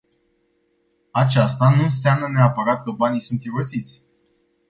Aceasta nu înseamnă neapărat că banii sunt irosiți.